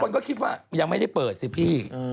คนก็คิดว่ายังไม่ได้เปิดสิพี่